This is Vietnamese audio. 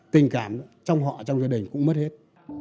tình cảm trong họ trong gia đình cũng mất hết